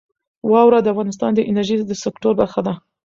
واوره د افغانستان د انرژۍ د سکتور برخه ده.